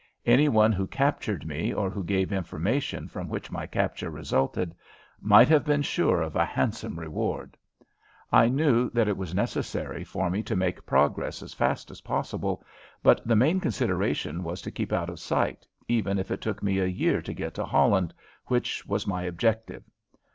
Any one who captured me or who gave information from which my capture resulted might have been sure of a handsome reward. I knew that it was necessary for me to make progress as fast as possible, but the main consideration was to keep out of sight, even if it took me a year to get to Holland, which was my objective.